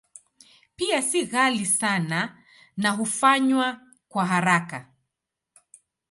Pia si ghali sana na hufanywa kwa haraka.